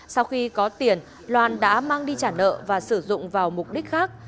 sau khi có tiền loan đã mang đi trả nợ và sử dụng vào mục đích khác